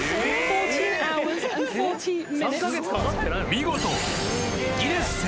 ［見事］